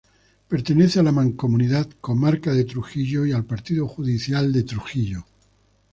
Pertenece a la Mancomunidad Comarca de Trujillo y al Partido Judicial de Trujillo.